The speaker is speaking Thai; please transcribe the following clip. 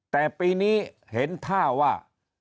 แต่ปีนี้เห็นท่าว่า